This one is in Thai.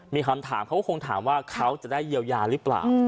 มีคำถามเขาก็คงถามว่าเขาจะได้เยียวยาหรือเปล่า